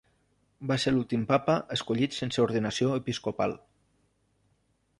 Va ser l'últim Papa escollit sense ordenació episcopal.